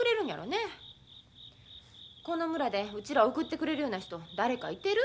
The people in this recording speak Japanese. この村でうちらを送ってくれるような人誰かいてる？